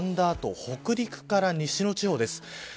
あと北陸から西の地方です。